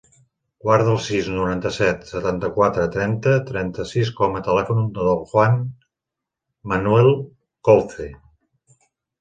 Guarda el sis, noranta-set, setanta-quatre, trenta, trenta-sis com a telèfon del Juan manuel Couce.